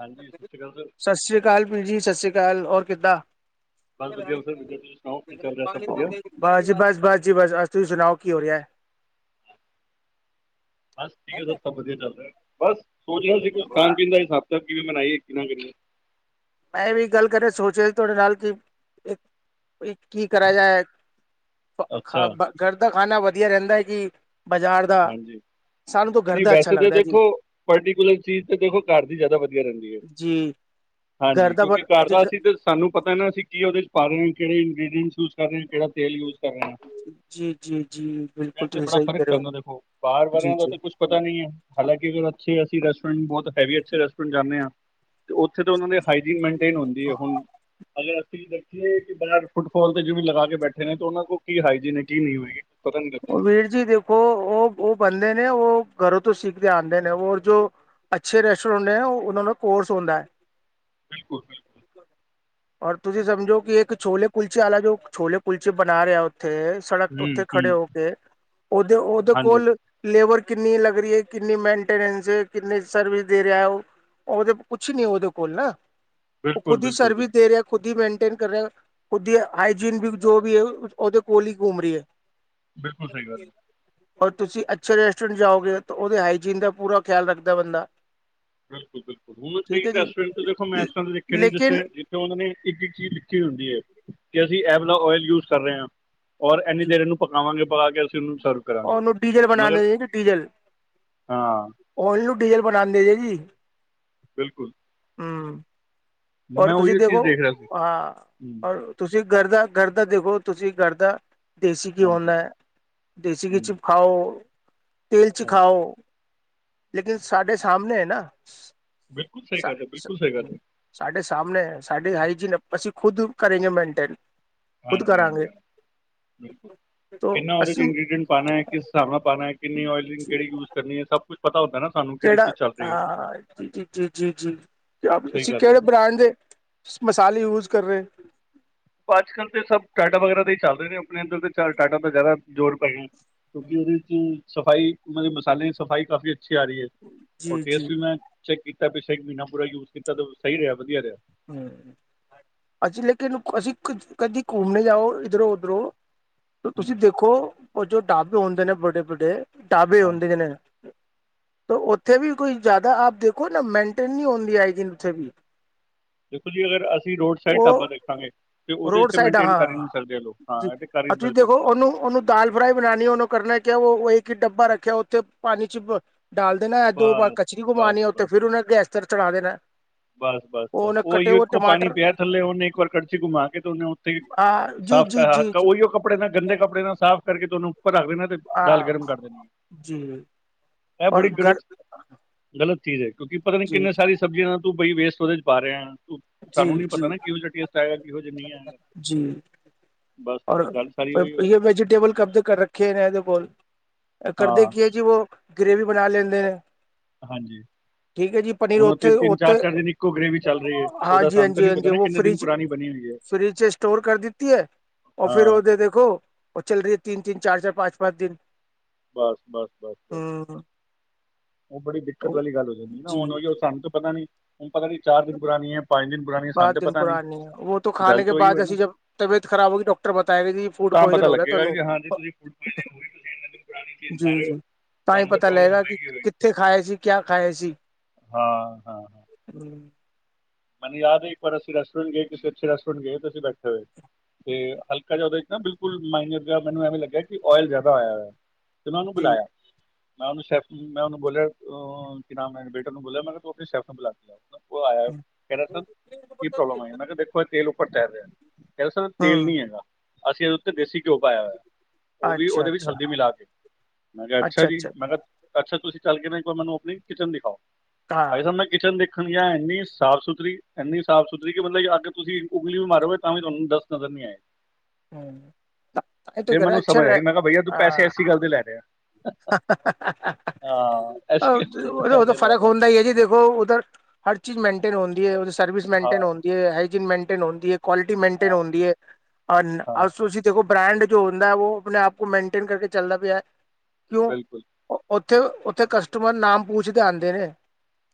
ਹਾਂਜੀ ਸਤਿ ਸ਼੍ਰੀ ਅਕਾਲ ਜੀ। ਸਸ ਸ੍ਰੀ ਕਾਲ ਵੀਰ ਜੀ, ਸਸ ਸ੍ਰੀ ਕਾਲ ਔਰ ਕਿੱਦਾਂ? ਬਸ ਵਧੀਆ ਸਰ ਵਧੀਆ ਤੁਸੀਂ ਸੁਣਾਓ ਕੀ ਚੱਲ ਰਿਹਾ ਸਭ ਵਧੀਆ [inaudible] ਬਸ ਜੀ ਬਸ, ਬਸ ਜੀ ਬਸ ਅਜ ਤੁਸੀਂ ਸੁਣਾਓ ਕੀ ਹੋ ਰਿਹਾ। ਬਸ ਠੀਕ ਹੈ ਸਰ ਸਭ ਵਧੀਆ ਚੱਲ ਰਿਹਾ ਬਸ ਸੋਚਣਾ ਸੀ ਕੁਛ ਹੈ ਖਾਨ ਪੀਨ ਦਾ ਹਿਸਾਬ ਕਿਤਾਬ ਕਿਵੇ ਬਣਾਈਏ ਕਿਵੇਂ ਕਰੀਏ। ਮੈਂ ਵੀ ਗੱਲ ਕਰਿਆ ਸੋਚਿਆ ਸੀ ਤੁਹਾਡੇ ਨਾਲ ਕਿ, ਕੀ ਕਰਾ ਜਾਏ। ਖ ਅੱਛਾ ਘਰ ਦਾ ਖਾਣਾ ਵਧੀਆ ਰਹਿੰਦਾ ਜੀ ਬਾਜ਼ਾਰ ਦਾ ਹਾਂਜੀ ਸਾਨੂੰ ਤਾਂ ਘਰ ਨਈ ਦਾ ਅੱਛਾ ਵੈਸੇ ਤਾਂ ਲੱਗਦਾ ਜੀ ਦੇਖੋ ਪਰਟੀਕੂਲਰ ਚੀਜ਼ ਤੇ ਦੇਖੋ ਘਰ ਦੀ ਜਾਦਾ ਵਧੀਆ ਰਹਿੰਦੀ ਐ। ਜੀ ਘਰ ਹਾਂਜੀ ਦਾ ਕਿਉਂਕਿ ਪਰ ਘਰ ਜੀ ਦਾ ਅਸੀਂ ਤਾ ਸਾਨੂੰ ਪਤਾ ਨਾ ਅਸੀਂ ਕੀ ਉਹਦੇ ਚ ਪਾ ਰਹੇ ਹਾਂ ਕਿਹੜੇ ਇੰਗਰੀਡੀਅਂਟਸ ਯੂਜ ਕਰ ਰਹੇ ਕੇੜਾ ਤੇਲ ਯੂਜ ਕਰ ਰਹੇ ਆ ਜੀ ਜੀ ਜੀ ਐ ਬਿਲਕੁਲ ਤੇ ਤੁਸੀਂ ਬੜਾ ਸਹੀ ਕਹਿ ਫ਼ਰਕ ਰਹੇ ਹੋ ਪੈਂਦਾ ਦੇ ਬਾਰ ਜੀ ਵਾਲਿਆਂ ਦਾ ਜੀ ਤੇ ਕੁਛ ਪਤਾ ਨੀ ਹੈ ਹਾਲਾਂਕਿ ਅਗ ਅੱਛੇ ਅਸੀਂ ਰੈਸੋਰੈਂਟ ਬੌਤ ਹੈਵੀ ਅੱਛੇ ਰੈਸਟੋੈਂਟ ਜਾਨੇ ਆ। ਤੇ ਉੱਥੇ ਤੇ ਉਹਨਾਂ ਦੇ ਹਾਈਜੀਨ ਮੇਨਟੇਨ ਹੁੰਦੀ ਏ ਹੁਣ ਅਗਰ ਤੁਸੀਂ ਦੇਖੀਏ ਕਿ ਬਾਜ਼ਾਰ ਫੁਟਫੋਲ ਤੇ ਜਿਵੇਂ ਲਗਾ ਕੇ ਬੈਠੇ ਨੇ ਤੇ ਉਨਾਂ ਕੋਲ ਕੀ ਹਾਈਜੀਨ ਏ ਕੀ ਨੀ ਹੋਏਗੀ। ਪਤਾ ਨਹੀਂ ਲੱਗਦਾ ਨਾ ਵੀਰ ਜੀ ਦੇਖੋ ਓ-ਓ ਬੰਦੇ ਨੇ ਉਹ ਘਰੋਂ ਤੋਂ ਸਿੱਖਦੇ ਆਂਦੇ ਨੇ ਔਰ ਜੋ ਅੱਛੇ ਰੈਸਟੋਰੈਂਟ ਨੇ ਉਨਾ ਦਾ ਕੋਰਸ ਹੁੰਦਾ। ਬਿਲਕੁਲ ਬਿਲ ਔਰ ਤੁਸੀਂ ਸਮਝੋ ਕਿ ਇੱਕ ਛੋਲੇ ਕੁਲਚੇ ਆਲਾ ਜੋ ਛੋਲੇ ਕੁਲਚੇ ਬਨਾ ਰਿਆ ਉੱਥੇ ਸੜਕ ਹੂੰ ਉੱਤੇ ਖੜੇ ਹੂੰ ਹੋ ਕੇ ਉਦੇ-ਉਦੇ ਹਾਂਜੀ ਕੋਲ ਲੇਬਰ ਕਿੰਨੀ ਲੱਗ ਰੀ ਏ, ਕਿੰਨੀ ਮੇਨਟੇਨੈਂਸ ਏ, ਕਿੰਨੀ ਸਰਵਿਸ ਦੇ ਰਿਆ ਓ। ਉਹਦੇ ਕੁਛ ਨੀ ਉਹਦੇ ਕੋਲ ਨਾ ਉਹ ਬਿਲਕੁਲ ਖੁਦ ਹੀ ਬਿਲਕੁਲ ਸਰਵਿਸ ਬਿਲਕੁਲ ਦੇ ਰਿਆ। ਖੁਦ ਹੀ ਮੇਨਟੇਨ ਕਰ ਰਿਹਾ ਖੁਦ ਹੀ ਹਾਈਜੀਨ ਵੀ ਜੋ ਵੀ ਏ ਉਹਦੇ ਕੋਲ ਹੀ ਘੁੰਮ ਰਹੀ ਏ। ਬਿਲਕੁ ਸਈ ਗੱਲ ਏ। ਔਰ ਤੁਸੀਂ ਅੱਛੇ ਰੈਸਟੋਰੈਂਟ ਜਾਓਗੇ ਤਾਂ ਔਦੇ ਹਾਈਜੀਨ ਦਾ ਪੂਰਾ ਖਿਆਲ ਰੱਖਦਾ ਬੰਦਾ। ਬਿਲਕੁਲ-ਬਿਲਕੁਲ ਹੁਨ ਠੀਕ ਹੈ ਜੀ ਰੈਸਟੋਰਟ ਤੇ ਦੇਖੋ ਮੈਂ ਏਸ ਤਰਾ ਦੇ ਦੇਖੇ ਨੇ ਲੇਕਿਨ ਜਿੱਥੇ ਤੇ ਔਨਾਂ ਨੇ ਇੱਕ-ਇੱਕ ਚੀਜ਼ ਲਿਖੀ ਹੁੰਦੀ ਏ ਕਿ ਅਸੀਂ ਐ ਵਾਲਾ ਓਇਲ ਯੂਜ ਕਰ ਰਹੇ ਆ। ਔਰ ਐਨੀ ਦੇਰ ਇਹਨੂੰ ਪਕਾਵਾਂਗੇ ਪਕਾ ਕੇ ਅਸੀਂ ਉਹਨੂੰ ਸਰ ਓਨੂੰ ਡੀਜ਼ਲ ਬਨਾਦੇ ਜੇ ਜੀ ਡੀਜ਼ਲ ਹਾਂ ਓਨੂੰ ਡੀਜ਼ਲ ਬਨਾਦੇ ਜੇ ਜੀ। ਬਿਲਕੁਲ ਔਰ ਮੈਂ ਤੁਸੀਂ ਉਹੀ ਓ ਚੀਜ਼ ਦੇਖੋ ਦੇਖ ਰਿਹਾ ਸੀ ਹਾਂ ਹੂੰ ਔਰ ਤੁਸੀਂ ਘਰਦਾ-ਘਰਦਾ ਦੇਖੋ ਤੁਸੀਂ ਗਰਦਾ ਦੇਸੀ ਘੀ ਹਾਂਜੀ ਹੁੰਦਾ ਹੈ ਦੇਸੀ ਘੀ ਹੂੰ ਚਿ ਖਾਓ ਤੇਲ ਚ ਹਾਂਜੀ ਖਾਓ। ਲੇਕਿਨ ਸਾਡੇ ਸਾਮਨੇ ਹੈ ਨਾ। ਬਿਲਕੁਲ ਸਹੀ ਗੱਲ ਹੈ ਬਿਲਕੁਲ ਸਹੀ ਗੱਲ ਹੈ ਸਾਡੇ ਸਮਣੇ ਸਾਡੀ ਹਾਈਜੀਨ ਅਸੀ ਖੁਦ ਕਰੇਗੇ ਮੇਨਟੇਨ। ਖੁਦ ਕਰਾਂਗੇ ਹਾਂਜੀ-ਹਾਂਜੀ ਹਾਂ ਬਿਲਕੁਲ, ਤੋ ਕਿੰਨਾ ਓਦੇ ਵਿੱਚ ਅਸੀਂ ਇੰਗਰੀਡੀਐਂਟ ਪਾਨਾ ਐ ਕਿਸ ਹਿਸਾਬ ਨਾਲ ਪਾਨਾ ਐ ਕਿੰਨੀ ਓਇਲਿੰਗ ਕਿਹੜੀ ਯੂਜ਼ ਕਰਨੀ ਏ ਸਭ ਕੁੱਛ ਪਤਾ ਹੁੰਦਾ ਨਾ। ਸਾਨੂੰ ਕਿਹੜੀ ਚੀਜ਼ ਕਿਹੜਾ ਚੱਲ ਰਹੀ ਹੈ ਹਾਂ ਜੀ-ਜੀ, ਜੀ-ਜੀ ਸਹੀ ਤੁਸੀਂ ਗੱਲ ਹੈ ਕੇੜੇ ਬਰਾਂਡ ਦੇ ਮਸਾਲੇ ਯੂਜ ਕਰ ਰਹੇ। ਅੱਜ ਕੱਲ੍ਹ ਤੇ ਸਭ ਟਾਟਾ ਵਗੈਰਾ ਦਾ ਹੀ ਚੱਲਦੇ ਨੇ ਆਪਣੇ ਇੱਦਰ ਤੇ ਟਾਟਾ ਦਾ ਜਾਦਾ ਜ਼ੋਰ ਪੈ ਗਾ ਜੀ। ਕਿਉਂਕਿ ਉਹਦੇ ਚ ਸਫ਼ਾਈ ਉਹ ਦੇ ਮਸਾਲੇ ਦੀ ਸਫ਼ਾਈ ਕਾਫ਼ੀ ਅੱਛੀ ਆ ਰਹੀ ਏ। ਓ ਜੀ ਜੀ ਟੇਸਟ ਵੀ ਮੈਂ ਚੈੱਕ ਕੀਤਾ ਪਿੱਛਲੇ ਇੱਕ ਮਹੀਨਾ ਪੂਰਾ ਯੂਜ ਕੀਤਾ ਤੇ ਸਈ ਰਿਹਾ ਵਧੀਆ ਰਿਆ। ਹੂੰ ਅੱਛਾ ਲੇਕਿਨ ਅਸੀਂ ਕ ਕਦੀ ਘੁੰਮਨੇ ਜਾਓ ਇੱਧਰੋਂ-ਉੱਧਰੋਂ ਤੁਸੀਂ ਹਾਂਜੀ ਦੇਖੋ ਜੋ ਢਾਬੇ ਹੁੰਦੇ ਨੇ ਵਡੇ ਵੱਡੇ ਢਾਬੇ ਹਾਂ ਹੁੰਦੇ ਨੇ ਤਾਂ ਉੱਥੇ ਵੀ ਕੋਈ ਜ਼ਿਆਦਾ ਆਪ ਦੇਖੋ ਨਾ ਮੇਨਟੇਨ ਨਹੀਂ ਹੁੰਦੀ ਆਏਜੀਣ ਦਿਨ ਉੱਥੇ ਵੀ ਦੇਖੋ ਜੀ ਅਗਰ ਅਸੀਂ ਰੋਜ ਸਹੀ ਢਾਬਾ ਉਹ ਦੇਖਾਂਗੇ ਤੇ ਉਹਦੇ ਚ ਰੋਡ ਤੇ ਸਾਈਡ ਮੇਨਟੇਨ ਕਰ ਹੀ ਨੀ ਹਾਂ ਸਕਦੇ ਲੋਕ ਜੀ ਹਾਂ ਤੇ ਕਰ ਹੀ ਨੀ ਤੁਸੀਂ ਸਕਦੇ। ਦੇਖੋ ਉਹਨੂੰ ਉਹਨੂੰ ਦਾਲ ਫਰਾਈ ਬਣਨੀ ਉਹਨੂੰ ਕਰਨਾ ਕਿ ਉਹ ਇੱਕ ਡੱਬਾ ਰੱਖਿਆ ਉੱਥੇ ਪਾਣੀ ਚ ਡਾਲ ਦੇਣਾ ਦੋ ਵਾਰ ਬਸ ਕੜਛੀ ਬਸ ਗੁੰਮਣੀ ਹੈ ਉੇਹ ਬਸ ਫੇਿਰ ਉਹੇ ਗੈਸ ਤੇ ਚੜਾ ਦੇਣਾ। ਬਸ- ਬਸ ਉਹ -ਬਸ ਉਹਨੇ ਉਹੀ ਕੱਟੇ ਉਹ ਇੱਕੋ ਪਾਣੀ ਟਮਾਟਰ ਪਿਆ ਥੱਲੇ ਉਹਨੇ ਇੱਕ ਵਾਰ ਕੜਛੀ ਘੁੰਮਾ ਕੇ ਤੇ ਉਹਨੇ ਤੇ ਹਾਂ ਜੀ ਸਾਫ਼ ਜੀ ਕਰਾ ਜੀ ਕੇ ਜੀ ਉਹੀਓ ਕੱਪੜੇ ਨਾ ਗੰਦੇ ਕੱਪੜੇ ਨਾ ਸਾਫ਼ ਕਰਕੇ ਤੁਹਾਨੂੰ ਉੱਪਰ ਰੱਖਦੇਣਾ ਤੇ ਦਾਲ ਗਰਮ ਹਾਂ ਕਰ ਦੇਣੀ ਜੀ ਆ, ਇਹ ਬੜੀ ਔਰ ਗਰ ਘਰ ਗਲਤ ਚੀਜ਼ ਹੈ ਕਿਉਂਕਿ ਪਤਾ ਨੀ ਜੀ ਕਿੰਨੇ ਸਾਰੀ ਸਬਜ਼ੀਆਂ ਨਾਲ ਤੂੰ ਬਈ ਵੇਸਟੋਰੇਜ ਪਾ ਰਿਹਾ। ਸਾਨੂੰ ਨੀ ਪਤਾ ਨਾ ਕਿਹੋ ਜਿਹਾ ਟੇਸਟ ਆਏਗਾ ਕਿਹੋ ਜਿਹਾ ਨਹੀਂ ਆਏਗਾ। ਬਸ ਔਰ ਗੱਲ ਸਾਰੀ ਉਹੀ ਹੋਈ ਯੇ ਵੈਜੀਟੇਬਲ ਕਬ ਤੱਕ ਰੱਖੇ ਰਹਿੰਦੇ ਨੇ ਇਹਦੇ ਕੋਲ ਕਰਦੇ ਹਾਂ ਕੀ ਹੈ ਜੀ ਉਹ ਗਰੇੇਵੀ ਬਣਾ ਲੈਂਦੇ ਨੇ ਹਾਂਜੀ ਠੀਕ ਹੈ ਜੀ ਪਨੀਰ ਹੁਣ ਉਹ ਉੱਥੇ ਤਿੰਨ ਤਿੰਨ ਚਾਰ ਉੱਥੇ ਚਾਰ ਦਿਨ ਇੱਕੋ ਗ੍ਰੇਵੀ ਚੱਲ ਰਹੀ ਹੈ ਉਹਦਾ ਹਾਂਜੀ- ਸਾਨੂੰ ਤਾਂ ਨਹੀਂ ਪਤਾ ਹਾਂਜੀ-ਹਾਂਜੀ ਨਾ ਉਹ ਕਿੰਨੇ ਦਿਨ ਫਰਿਜ- ਪੁਰਾਣੀ ਬਣੀ ਹੋਈ ਹੈ ਫਰਿਜ ਸਟੋਰ ਕਰ ਦਿੱਤੀ ਐ। ਫਿਰ ਹਾਂ ਉਹਦੇ ਦੇਖੋ ਉਹ ਚੱਲ ਰਹੀ ਹੈ ਤਿੰਨ- ਤਿੰਨ ਚਾਰ- ਚਾਰ ਪਾਚ- ਪਾਚ ਦਿਨ ਬਸ- ਬਸ -ਬਸ -। ਉਹ ਬੜੀ ਦਿੱਕਤ ਵਾਲੀ ਗੱਲ ਹੋ ਜਾਂਦੀ ਨਾ ਹੁਣ ਓਹਓ ਸਾਨੂੰ ਤਾਂ ਪਤਾ ਨੀ ਹੁਣ, ਪਤਾ ਨੀ ਚਾਰ ਦਿਨ ਪੁਰਾਣੀ ਹੈ ਪੰਜ ਦਿਨ ਪੁਰਾਣੀ ਸਾਨੂੰ ਤਾਂ ਪਤਾ ਨੀ ਗੱਲ ਤੇ ਉਹੀ ਹੋਈ ਨਾ। ਫੂਡ ਤਾਂ ਪਤਾ ਪੁਆਇਜ਼ਨ ਹੋ ਗਿਆ ਲੱਗੇਗਾ ਤੁਹਾਨੂੰ ਹਾਂਜੀ ਤੁੂ ਹੋ ਜੀ- ਜੀ ਤਾਂ ਹੀ ਤੁਹਾਨੂੰ ਪਤਾ ਪ੍ਰੋਬਲਮ ਲਗੇਗਾ ਕਿ ਹੋਏਗੀ ਹੋਏਗੀ ਕਿੱਥੇ ਖਾਏ ਸੀ ਕਿਆ ਖਾਏ ਸੀ। ਹਾਂ- ਹਾਂ। ਮੈਨੂੰ ਯਾਦ ਐ ਇੱਕ ਵਾਰ ਅਸੀ ਰੈਸਟੋਰੈਟ ਗਏ ਕਿਸੇ ਅੱਛੇ ਰੈਸਟੋਰੈਟ ਗਏ ਤਾਂ ਅਸੀਂ ਬਠੇ ਹੋਏ। ਤੇ ਹਲਕਾ ਜਿਹਾ ਉਹਦੇ ਚ ਨਾ ਬਿਲਕੁਲ ਮਾਈਨਰ ਮੈਨੂੰ ਐਵੇਂ ਲੱਗਿਆ ਕਿ ਓਇਲ ਜਿਆਦਾ ਆਇਆ ਹੋਇਆ। ਤੇ ਮੈਂ ਉਹਨੂੰ ਜੀ ਬੁਲਾਇਆ ਮੈਂ ਉਹਨੂੰ ਸ਼ੈਫ ਮੈਂ ਉਹਨੂੰ ਬੋਲਿਆ ਕੀ ਨਾਮ ਮੈਂ ਬੇਟਰ ਨੂੰ ਬੋਲਿਆ ਮੈਂ ਕਿਹਾ ਤੂੰ ਆਪਣੀ ਸ਼ੈਫ ਨੂੰ ਬੁਲਾ ਕਿ ਲਿਆ। ਉਹ ਆਇਆ ਕਹਿੰਦਾ ਕਿ ਸਰ ਕੀ ਪ੍ਰੋਬਲਮ ਆਈ, ਮੈਂ ਕਿਹਾ ਦੇਖੋ ਇਹ ਤੇਲ ਉੱਪਰ ਤੈਰ ਰਿਹਾ। ਕਹਿੰਦੇ ਸਰ ਤੇਲ ਨੀ ਹੈਗਾ, ਅਸੀਂ ਇਹਦੇ ਉੱਤੇ ਦੇਸੀ ਘਿਓ ਪਾਇਆ ਹੋਇਆ। ਉਹ ਵੀ ਉਹਦੇ ਵਿੱਚ ਹਲਦੀ ਮਿਲਾ ਕੇ ਮੈਂ ਕਿਹਾ ਅੱਛਾ ਜੀ ਮੈਂ ਕਿਹਾ ਅੱਛਾ, ਤੁਸੀਂ ਚੱਲ ਕੇ ਮੈਂ ਕਿਹਾ ਮੈਨੂੰ ਆਪਣੀ ਕਿਚਨ ਦਿਖਾਓ ਆਈ ਸਮਝ ਕਿਚਨ ਦੇਖਣ ਗਿਆ ਇੰਨੀ ਸਾਫ਼ ਸੁਥਰੀ ਮਤਲਬ ਇੰਨੀ ਸਾਫ਼ ਸੁਥਰੀ ਕਿ ਮਤਲਬ ਅਗਰ ਤੁਸੀਂ ਉਂਗਲੀ ਵੀ ਮਾਰੋ ਤਾਂ ਵੀ ਤੁਹਾਨੂੰ ਡਸਟ ਨਜ਼ਰ ਨੀ ਆਏ। ਹਮ ਫਿਰ ਮੈਨੂੰ ਸਮਝ ਆਈ ਮੈਂ ਕਿਹਾ ਭਈਆ ਤੂੰ ਪੈਸੇ ਐਸੀ ਗੱਲ ਦੇ ਲੈ ਰਿਹਾ [unintelligible] ਹਾਂ ਐਸੀ ਗੱਲ ਦੇ ਉਦੋਂ ਪੈਸੇ ਲੈ ਫ਼ਰਕ ਰਿਹਾ ਹੁੰਦਾ ਹੀ ਹੈ ਜੀ ਦੇਖੋ ਉਧਰ ਹਰ ਚੀਜ਼ ਮੈਂਟੇਨ ਹੂੰਦੀ ਹੈ ਉਹਦੀ ਸਰਵਿਸ ਹਾਂ ਮੈਂਟੇਨ ਹੂੰਦੀ ਹੈ ਹਾਈਜੀਨ ਮੈਂਟੇਨ ਹੁੰਦੀ ਹੈ ਕੁਆਲਿਟੀ ਮਨਟੇਨ ਹਾਂ ਹੂੰਦੀ ਹੈ। ਹਾਂ ਤੁਸੀਂ ਦੇਖੋ ਬ੍ਰਾਂਡ ਜੋ ਹੁੰਦਾ ਉਹ ਆਪਣੇ ਆਪ ਕੋ ਮੈਂਟੇਨ ਕਰਕੇ ਚੱਲਦਾ ਪਿਆ ਹੈ। ਕਿਉਂ ਬਿਲਕੁਲ ਉੱਥੇ- ਉੱਥੇ ਕਸਟਮਰ ਨਾਮ ਪੂੱਛਦੇ ਆਉਂਦੇ ਨੇ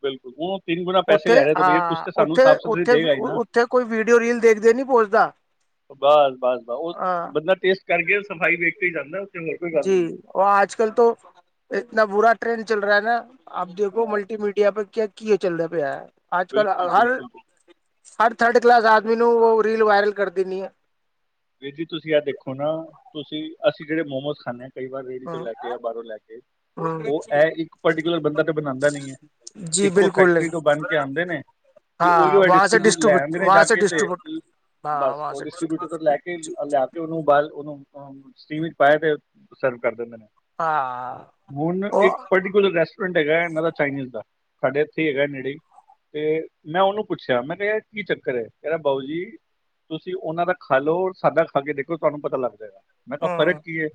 ਬਿਲਕੁਲ ਉਹ ਤਿੰਨ ਗੁਣਾ ਪੈਸੇ ਉੱਥੇ ਲੈ ਰਿਹਾ ਤਾਂ ਭਈਆ ਕੁਝ ਹਾਂ ਤਾਂ ਸਾਨੂੰ ਉੱਥੇ ਸਾਫ਼ ਸੁਥਰੀ ਉੱਥੇ ਦੇਗਾ ਹੀ ਨਾ ਉੱਥੇ ਕੋਈ ਵੀਡੀਓ ਰੀਲ ਦੇਖਦੇ ਨੀ ਬੋ ਦਾ। ਬਸ- ਬਸ- ਬਸ ਉਹ ਬੰਦਾ ਟੇਸਟ ਕਰਕੇ ਸਫ਼ਾਈ ਵੇਖ ਕੇ ਜਾਂਦਾ। ਹੋਰ ਕੋਈ ਗੱਲ ਜੀ ਨਹੀਂ ਉਹ ਅੱਜ- ਕੱਲ ਤੋਂ ਇਤਨਾ ਬੁਰਾ ਟ੍ਰੇਡ ਚੱਲ ਰਿਹਾ ਹੈ ਨਾ ਆਪ ਹੈ ਦੇਖੋ ਹਾਂ ਮਲਟੀ ਮੀਡੀਆ ਪੇ ਕਿਆ ਕੀ ਚੱਲ ਰਿਹਾ ਪਿਆ ਅੱਜ- ਕੱਲ ਬਿਲਕੁਲ ਹਰ ਬਿਲਕੁਲ ਬਿਲਕੁਲ। ਹਰ ਥਰਡ ਕਲਾਸ ਆਦਮੀ ਨੂੰ ਉਹ ਰੀਲ ਵਾਇਰਲ ਕਰ ਦੇਣੀ ਹੈ। ਵੀਰ ਜੀ ਤੁਸੀਂ ਆ ਦੇਖੋ ਨਾ ਤੁਸੀਂ ਅਸੀਂ ਜਿਹੜੇ ਮੋਮੋਸ ਖਾਨੇ। ਕਈ ਵਾਰ ਰੇਹੜੀ ਤੋਂ ਲੈਕੇ ਯਾ ਬਾਹਰੋ ਲੈਕੇ, ਉਹ ਐ ਇੱਕ ਪਰਟੀਕੁਲਰ ਬੰਦਾ ਤੇ ਬਣਾਂਦਾ ਨਹੀਂ ਏ। ਇੱਕੋ ਫੈਕਟਰੀ ਤੋਂ ਬੰਨਕੇ ਆਂਦੇ ਨੇ। ਤੇ ਉਹੀ ਏ ਡਿਸਟਰੀਬਿਊਟ ਲੈ ਆਂਦੇ ਨੇ ਜਾਕੇ, ਤੇ ਬਸ ਉਹ ਡਿਸਟਰੀਬਿਊਟਰ ਤੋਂ ਲੈਕੇ ਲਿਆਕੇ ਉਹਨੂੰ ਬਾਲ, ਉਹਨੂੰ ਅ ਸਟੀਮ ਵਿੱਚ ਪਾਇਆ ਤੇ ਸਰਵ ਕਰ ਦਿੰਦੇ ਨੇ। ਹੁਣ ਇੱਕ ਪਰਟੀ ਬਿਲ ਰੈਸਟੋਰੈਂਟ ਹੈਗਾ ਇਹਨਾਂ ਦਾ ਚਾਈਨੀਜ਼ ਦਾ, ਸਾਡੇ ਇੱਥੇ ਹੈਗਾ ਏ ਨੇੜੇ ਈ। ਤੇ, ਮੈਂ ਉਹਨੂੰ ਪੁੱਛਿਆ, ਮੈਂ ਕਿਹਾ ਯਾਰ ਕੀ ਚੱਕਰ ਏ, ਕਹਿੰਦਾ ਬਾਊ ਜੀ ਤੁਸੀਂ ਉਹਨਾਂ ਦਾ ਖਾਲੋ, ਸਾਡਾ ਖਾਕੇ ਦੇਖੋ, ਤੁਹਾਨੂੰ ਪਤਾ ਲੱਗ ਜਾਏਗਾ। ਮੈਂ ਕਿਹਾ ਫਰਕ ਕੀ ਏ?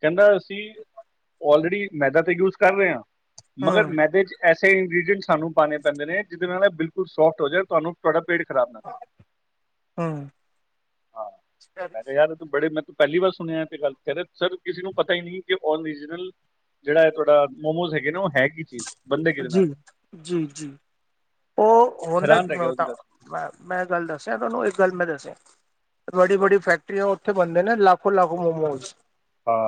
ਕਹਿੰਦਾ ਅਸੀਂ, ਔਲਰੇਡੀ ਮੈਦਾ ਤੇ ਯੂਜ਼ ਕਰ ਰਹੇ ਆ ਮਗਰ ਮੈਦੇ'ਚ ਐਸ ਸਹੀ ਇੰਗਰੀਡੀਅਂਟ ਸਾਨੂੰ ਪਾਣੇ ਪੈਂਦੇ ਨੇ, ਜਿਹਦੇ ਨਾਲ ਐ ਬਿਲਕੁਲ ਸੋਫਟ ਹੋ ਜਾਏ ਤੁਹਾਨੂੰ ਤੁਹਾਡਾ ਪੇਟ ਖ਼ਰਾਬ ਨਾ ਕਰੇ। ਹੂੰ ਹਾਂ ਮੈਂ ਕਿਹਾ ਯਾਰ ਬੜੇ ਮੈਂ ਤੂੰ ਪਹਿਲੀ ਵਾਰ ਸੁਣਿਆ ਏ ਤੇ ਗੱਲ, ਕਹਿੰਦਾ ਸਰ ਕਿਸੇ ਨੂੰ ਪਤਾ ਹੀ ਨਹੀਂ ਕਿ ਓਨੀਜਨਲ ਜਿਹੜਾ ਐ ਤੁਹਾਡਾ ਮੋਮੋਸ ਹੈਗੇ ਨਾ, ਉਹ ਹੈ ਕੀ ਚੀਜ਼। ਬੰਦੇ ਕਿਹਦੇ ਜੀ, ਨਾਲ ਜੀ-ਜੀ। ਮੈਂ ਉਹ ਹੈਰਾਨ ਰਹਿ ਗਿਆ ਉਹਦੀ ਹੁੰਣਦਾ ਗੱਲ ਮੈਂ ਗੱਲ ਦੱਸਿਆ ਤੁਹਾਨੂੰ, ਇੱਕ ਗੱਲ ਮੈਂ ਦੱਸਿਆ। ਬੜੀ-ਬੜੀ ਫੈਕਟਰੀਆਂ ਉੱਥੇ ਬਣਦੇ ਨਾ, ਲਾਖੋ-ਲਾਖ ਮੋਮੋਜ਼। ਹਾ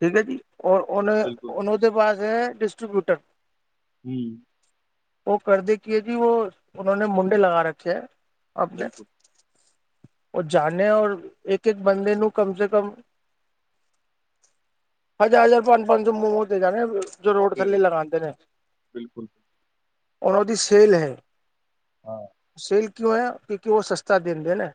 ਠੀਕ ਐ ਜੀ, ਔਰ ਉਹਨੇ, ਉਹਦੇ ਪਾਸ ਹੈ ਡਿਸਟਰੀਬਿਊਟਰ। ਹੂੰ ਉਹ ਕਰਦੇ ਕੀ ਆ ਜੀ, ਉਹ ਉਹਨੋ ਨੇ ਮੁੰਡੇ ਲਗਾ ਰੱਖੇ ਆ, ਅਪਨੇ ਬਿਲਕੁਲ ਉਹ ਜਾਂਨੇੇ, ਔਰ ਇੱਕ-ਇੱਕ ਬੰਦੇੇ ਨੂੰ, ਕਮ ਸੇ ਕਮ ਹਜ਼ਾਰ-ਹਜ਼ਾਰ, ਪੰਜ-ਪੰਜ ਸੌ ਮੂੰਹ ਓਤੇ ਜਾਣੇ, ਜੋ ਰੋਡ ਠੀਕ ਥੱਲੇ ਹੈ, ਲਗਾਂਦੇ ਨੇ। ਬਿਲਕੁਲ। ਉਹ ਉਹਦੀ ਸੇਲ ਹੇ, ਹਾਂ ਸੇਲ ਕਿਉਂ ਏ, ਕਿਉਂਕਿ ਉਹ ਸਸਤਾ ਦਿੰਦੇ ਨੇ।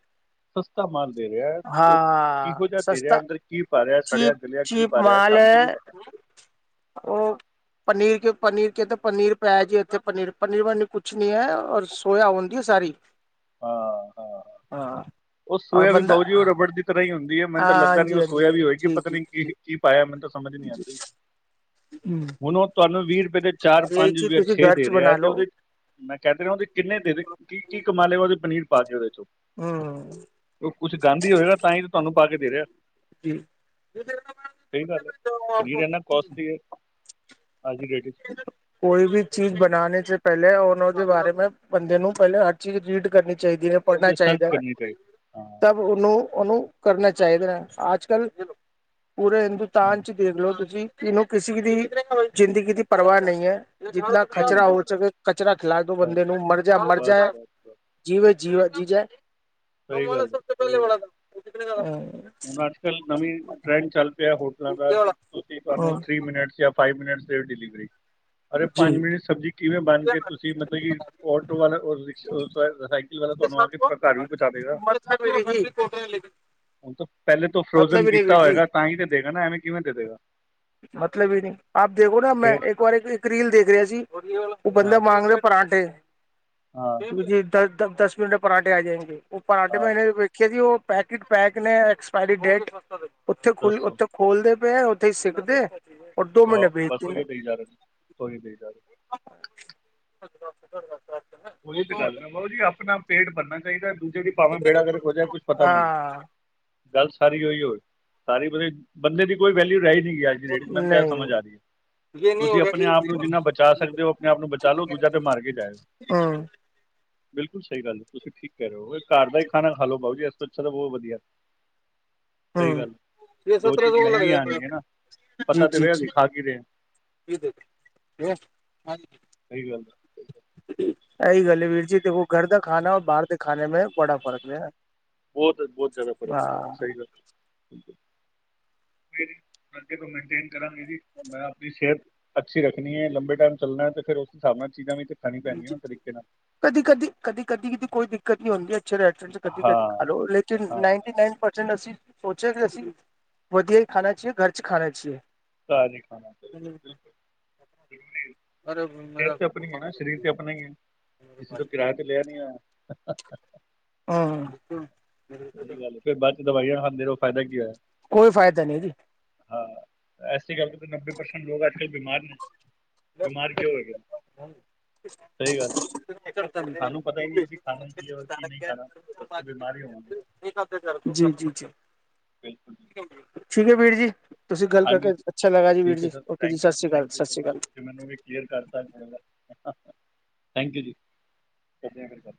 ਸਸਤਾ ਮਾਲ ਦੇ ਰਿਹਾ, ਉਹ ਹਾਂ ਕਿਹੋ ਜਿਹਾ ਦੇ ਰਿਹਾ ਸਸਤਾ ਅੰਦਰ ਕੀ ਪਾ ਰਿਹਾ ਚੀਪ ਸੜਿਆ-ਗਲਿਆ ਕੀ ਚੀਪ ਪਾ ਰਿਹਾ ਮਾਲ ਸਮਝ ਨੀ ਹੈ ਪਤਾ ਉਹ ਪਨੀਰ, ਕਿ ਪਨੀਰ ਕਿਤੇ ਪਨੀਰ ਪੈਆ ਜੀ, ਇੱਥੇ ਪਨੀਰ-ਵਨੀਰ ਕੁਛ ਨੀ ਐ, ਔਰ ਸੋਇਆ ਹੁੰਦੀ ਏ ਸਾਰੀ। ਹਾਂ ਹਾਂ ਹਾ ਉਹ ਸੋਇਆ ਵੀ ਬਾਊ ਜੀ ਉਹ ਰਬੜ ਦੀ ਤਰ੍ਹਾਂ ਹੀ ਹੁੰਦੀ ਏ, ਮੈਨੂੰ ਤਾਂ ਲੱਗਦਾ ਨਹੀਂ ਹਾਂਜੀ ਉਹ ਹਾਂਜੀ ਸੋਇਆ ਵੀ ਹੋਏਗੀ, ਜੀ ਪਤਾ ਜੀ ਨੀ ਕੀ, ਜੀ ਕੀ ਪਾਇਆ ਮੈਨ ਤਾਂ ਸਮਝ ਲਿਆਂਦੇ ਹੂੰ ਹੁਣ ਉਹ ਤੁਹਾਨੂੰ ਵੀਹ ਰੁਪਏ ਦੇ ਚਾਰ-ਪੰਜ, ਤੁਸੀਂ ਛੇ ਦੇ ਰਿਹਾ ਏ, ਤੇ ਉਹਦੇ ਮੈਂ ਕਹਿਦੇ ਨਾ, ਉਹਦੇ ਕਿੰਨੇ ਦੇ ਕੀ-ਕੀ ਕਮਾਲੇ, ਉਹਦੇ ਪਨੀਰ ਪਾਕੇ ਉਹਦੇ'ਚੋ। ਹੂੰ ਉਹ ਕੁਛ ਗੰਦ ਹੀ ਹੋਏਗਾ, ਤਾਂਈ ਤਾ ਤੁਹਾਨੂੰ ਪਾਕੇ ਦੇ ਰੇ ਆ। ਸਹੀ ਗੱਲ ਏ, ਪਨੀਰ ਇੰਨਾ ਕੋਸਟਲੀ ਏ ਅੱਜ ਦੀ ਡੇਟ'ਚ। ਕੋਈ ਵੀ ਚੀਜ਼ ਬਣਾਨੇ'ਚ ਪੇਲੇ, ਉਹਦੇ ਬਾਰੇ ਮੈਂ ਬੰਦੇ ਨੂੰ ਪਹਿਲੇ ਹਰ ਚੀਜ਼ ਰੀਡ ਕਰਨੀ ਚਾਈਦੀ ਏ। ਪੜਨਾ ਤੁਸੀਂ ਸਰਚ ਚਾਹੀਦਾ, ਕਰਨੀ ਚਾਹੀਦੀ ਹਾਂ ਤਬ ਉਹਨੂੰ-ਉਹਨੂੰ ਕਰਨਾ ਚਾਹੀਦਾ, ਅੱਜ-ਕੱਲ ਪੂਰੇ ਹਾਂ, ਹਿੰਦੁਸਤਾਨ'ਚ ਦੇਖਲੋ ਤੁਸੀ, ਕਿਨੂੰ ਕਿਸੇ ਦੀ ਜ਼ਿੰਦਗੀ ਦੀ ਪਰਵਾਹ ਨਹੀ ਏ। ਜਿਤਨਾ ਨਹੀਂ ਹੈ ਕਚਰਾ ਜੀ ਹੋ ਨਹੀਂ, ਸਕੇ ਕਚਰਾ ਖਿਲਾਦੋ ਬਸ ਬੰਦੇ ਨੂੰ, ਮਰਜਾ ਮਰ ਬਸ ਜਾਏ। ਬਸ ਬਸ। ਜੀ ਵ, ਜੀ ਵ, ਜੀਜਾ, ਸਹੀ ਗੱਲ ਹੈ, ਸਹੀ ਗੱਲ। ਹਾਂ। ਹੁਣ ਅੱਜ-ਕੱਲ ਨਵੀਂ ਟਰੈਂਡ ਚੱਲ ਪਿਆ ਹੋਟਲਾਂ ਦਾ, ਤੁਸੀਂ ਤੁਾਨੂੰ ਹਮ ਥ੍ਰੀ ਮਿਨਟਸ ਯਾ ਫਾਈਵ ਮਿਨਟਸ ਦੀ ਡਿਲੀਵਰੀ, ਅਰੇ ਜੀ ਪੰਜ ਮਿੰਟ'ਚ ਸਬਜ਼ੀ ਕਿਵੇਂ ਬਣਗੀ, ਤੁਸੀਂ ਮਤਲਬ ਕਿ ਆਟੋ ਵਾਲਾ ਸਾਈਕਲ ਵਾਲਾ ਤੁਹਾਨੂੰ ਆ ਕੇ ਘਰ ਵੀ ਪਹੁੰਚਾ ਦੇਗਾ। [inaudible] ਹੁਣ ਤਾਂ ਪਹਿਲੇ ਤੋਂ ਫਰੋਜਨ ਮਤਲਬ ਹੀ ਨਹੀਂ ਕੀਤਾ ਵੀਰ ਜੀ ਹੋਏਗਾ ਤਾਂ ਹੀ ਤੇ ਦੇਗਾ ਨਾ ਐਵੇਂ ਕਿਵੇਂ ਦੇ ਦੇਗਾ। ਮਤਲਬ ਹੀ ਨਹੀਂ ਆਪ ਦੇਖੋ ਨਾ ਮੈਂ ਫੇਰ ਇੱਕ- ਬਾਰੇ ਇੱਕ ਰੀਲ ਦੇਖ ਰਿਹਾ ਸੀ ਉਹ ਹਾਂ, ਬੰਦਾ ਮੰਗ ਲਓ ਪਰਾਂਠੇ। ਹਾਂ, ਦਸ, ਦਸ ਮਿੰਟ ਪਰਾਾਂਠੇ ਆ ਜਾਏਗੇ। ਉਹ ਪਰਾਠੇ ਹਾਂ ਮੈਂਨੇ ਵੇਖਿਆ ਸੀ ਉਹ- ਪੈਕਟ ਪੈਕ ਨੇ। ਐਕਸਪਾਇ ਡੇਟ ਉਥੇ, ਦੱਸੋ ਉਥੇ ਖੋਲਦੇ ਪਏ ਉਥੇ ਸਿੱਕਦੇ। [unintelligible] ਭੇਜਦੀ। ਕੋਈ ਨਹੀਂ ਜਾ। [unintelligible] ਉਹੀ ਤੇ ਗੱਲ ਨਾ ਬਈ ਜੀ। ਆਪਣਾ ਪੇਟ ਭਰਨਾ ਚਾਹੀਦਾ ਦੂਜੇ ਦੀ ਭਾਵੇਂ ਬੇੜਾ ਗਰਕ ਹੋ ਜਾਏ, ਕੁੱਛ ਪਤਾ ਨਹੀਂ। ਹਾਂ ਗੱਲ ਸਾਰੀ ਉਹੀ ਉ। ਸਾਰੀ ਮਤਲਬ ਬੰਦੇ ਦੀ ਕੋਈ ਵੈਲਿਊ ਰਹਿ ਨਹੀਂ ਗਈ ਅੱਜ- ਰੇਟ, ਮੈਨੂੰ ਤਾਂ ਇਹ ਨਹੀਂ ਸਮਝ ਆ ਗਈ। ਤੁਸੀਂ ਆਪਣੇ-ਆਪ ਨੂੰ ਜਿੰਨਾ ਬਚਾ ਸਕਦੇ ਹੋ। ਆਪਣੇ ਆਪ ਨੂੰ ਬਚਾ ਲਓ। ਦੂਜਾ ਤੇ ਮਾਰ ਕੇ ਜਾਏਗਾ। ਹੂ। ਬਿਲਕੁਲ ਸਹੀ ਗੱਲ ਹੈ। ਤੁਸੀਂ ਠੀਕ ਕਹਿ ਰਹੇ ਹੋ। ਘਰ ਦਾ ਹੀ ਖਾਣਾ ਖਾ ਲੋ ਬਈ ਜੀ ਅੱਛਾ, ਤਾਂ ਬਹੁਤ ਵਧੀਆ। ਸਹੀ ਹਮ ਗੱਲ, ਦੋ ਚੀਜ਼ ਮਹਿੰਗੀਆਂ ਆਣਗੀਆਂ ਨਾ ਪਤਾ ਤੇ ਹੋਵੇ, ਅਸੀਂ ਖਾ ਕੀ ਰਹੇ ਹਾਂ। ਹਾਂਜੀ। ਸਹੀ ਗੱਲ। ਇਹੀ ਗੱਲ ਹੈ ਵੀਰ ਜੀ। ਦੇਖੋ ਘਰ ਦਾ ਖਾਣਾ ਬਾਹਰ ਦੇ ਖਾਣੇ ਮੈਂ ਬੜਾ ਫ਼ਰਕ ਹੈ। ਬਹੁਤ, ਬਹੁਤ ਜ਼ਿਆਦਾ ਫ਼ਰਕ ਹਾਂ ਸਹੀ ਗੱਲ। ਮੇਰੀੇ ਅੱਗੇ ਤੋਂ ਮੇਨਟੇਨ ਕਰਾਂਗੇ ਜੀ। ਮੈਂ ਆਪਣੀ ਸਿਹਤ ਅੱਛੀ ਰੱਖਣੀ ਹੈ, ਲੰਬੇ ਟਾਈਮ ਚੱਲਣਾ ਹੈ, ਤੇ ਫਿਰ ਉਸ ਹਿਸਾਬ ਨਾਲ ਚੀਜ਼ਾਂ ਵੀ ਖਾਣੀਆਂ ਜੀ ਪੈਣੀਆਂ, ਸਹੀ ਜੀ ਤਰੀਕੇ ਨਾਲ। ਕਦੀ, ਕਦੀ, ਕਦੀ, ਕਦੀ, ਕਦੀ ਕੋਈ ਦਿੱਕਤ ਨੀ ਹੁੰਦੀ। ਅੱਛੇ ਰੈਸਟੋਰੈਂਟ ਚ ਕਦੀ ਕਦੀ ਹਾਂ ਖਾ ਲੋ ਲੇਕਿਨ ਨ ਹਾਂ ਨਾਈਟੀਨ ਨਾਈਨ ਪਰਸੈਂਟ ਅਸੀਂ ਸੋਚਿਆ ਕਿ ਅਸੀਂ ਵਧੀਆ ਹੀ ਖਾਣਾ ਚਾਹੀਏ, ਘਰ ਚ ਖਾਣਾ ਚਾਹੀਏ। ਘਰ ਖਾਣਾ ਬਿਲਕੁਲ, ਬਿਲਕੁਲ ਸਹੀ। ਸਿਹਤ ਆਪਣੀ ਹੈ ਨਾ, ਸਰੀਰ ਸਰੀਰ ਤੇ ਆਪਣਾ ਹੀ ਹੈ ਕਿਸੇ ਤੋਂ ਕਿਰਾਏ ਤੇ ਲਿਆ ਨੀ ਹੋਇਆ। ਆ ਹੂ। ਸਹੀ ਗੱਲ ਹੈ ਫਿਰ ਬਾਅਦ ਚ ਦਵਾਈਆਂ ਖਾਂਦੇ ਰਹੋ, ਫਾਇਦਾ ਕੀ ਹੋਇਆ। ਕੋਈ ਫਾਇਦਾ ਨਹੀਂ ਜੀ। ਹਾਂ, ਐਸੇ ਕਰਕੇ ਨੱਬੇ ਪਰਸੈਂਟ ਲੋਕ ਆਜ-ਕੱਲ ਬਿਮਾਰ ਨੇ। ਬਿਮਾਰ ਕਿਉਂ ਹੋਈਏ। [unintelligible] ਕਰ ਸਾਨੂੰ ਪਤਾ ਹੀ ਨਹੀਂ ਅਸੀਂ ਖਾਣਾ ਕੀ ਹੈ ਔਰ ਕੀ ਨਹੀਂ ਖਾਣਾ ਉਸ ਤੇ ਬਿਮਾਰੀ ਹੋਵਾਂਗੇ [unintelligible] ਨਾ ਚਲੋ ਬਾਦ ਚ ਕਰਦੇ। ਜੀ, ਜੀ ਠੀਕ ਬਿਲਕੁਲ ਜੀ ਹੈ। ਠੀਕ ਹੈ ਬਈ ਜੀ। ਤੁਸੀਂ ਗੱਲ ਹਾਂਜੀ ਕਰਕੇ ਅੱਛਾ ਲੱਗਾ ਜੀ, ਵੀਰ ਠੀਕ ਹੈ ਜੀ। ਸਰ ਓਕੇ ਜੀ ਥੈਂਕ ਸਤਿ you Shri Akal, thank you ਸਤਿ ਸੋ ਸ਼੍ਰੀ ਮਚ ਅਕਾਲ। ਤੁਸੀਂ ਮੈਨੂੰ ਵੀ ਕਲੀਅਰ ਕਰਤਾ ਜਾਏਗਾ, ਥੈਂਕ ਯੂ ਜੀ, ਫਿਰ